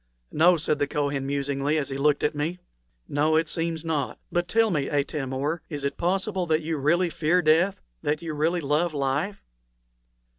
"No," said the Kohen, musingly, as he looked at me. "No, it seems not; but tell me, Atam or, is it possible that you really fear death that you really love life?"